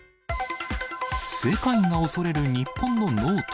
世界が恐れる日本のノート。